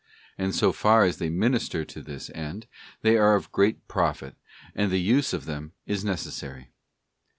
And so far as they minister to this end, they are of great profit, and the use of them is necessary.